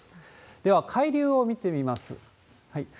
では、海流を見てみます。